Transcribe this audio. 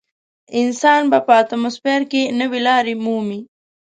انسان به په اتموسفیر کې نوې لارې مومي.